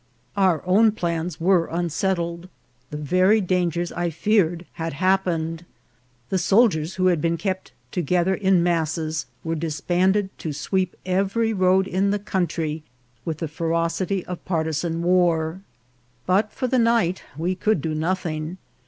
Our own plans were unsettled ; the very dangers I feared had happened ; the soldiers, who had been kept together in masses, were disbanded to sweep every road in the country with the ferocity of partisan war. But for the night we could do nothing.